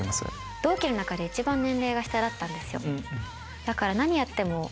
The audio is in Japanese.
同期の中で一番年齢が下だったんですよ。